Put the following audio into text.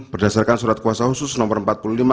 bertindak untuk dan reslama komisi pemilihan umum